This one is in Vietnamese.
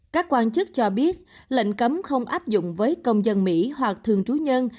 các quan chức cho biết lệnh cấm không áp dụng với công dân mỹ hoặc thường trú nhân